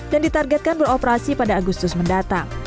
dan ditargetkan beroperasi pada agustus mendatang